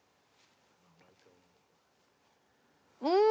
うん！